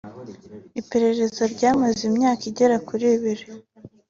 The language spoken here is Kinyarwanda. “Iperereza ryamaze imyaka igera kuri ibiri